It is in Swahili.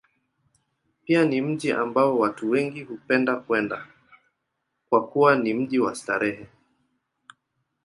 Pia ni mji ambao watu wengi hupenda kwenda, kwa kuwa ni mji wa starehe.